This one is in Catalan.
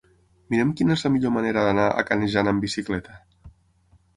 Mira'm quina és la millor manera d'anar a Canejan amb bicicleta.